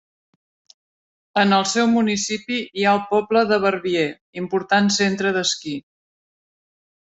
En el seu municipi hi ha el poble de Verbier, important centre d'esquí.